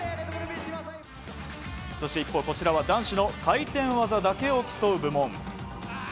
そして一方、こちらは男子の回転技だけを競う部門。